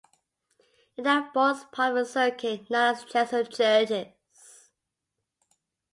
It now forms part of the circuit known as Chesil Churches.